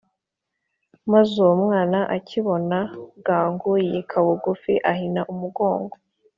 Maze uwo mwana akibona bwangu, Yika bugufi ahina umugongo